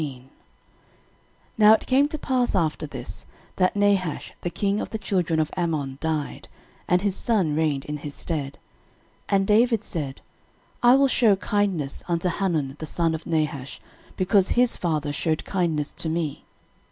13:019:001 Now it came to pass after this, that Nahash the king of the children of Ammon died, and his son reigned in his stead. 13:019:002 And David said, I will shew kindness unto Hanun the son of Nahash, because his father shewed kindness to me.